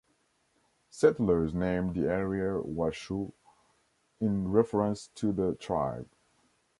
Settlers named the area Washoe in reference to the tribe.